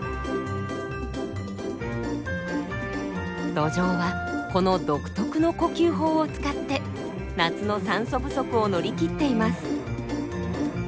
ドジョウはこの独特の呼吸法を使って夏の酸素不足を乗り切っています。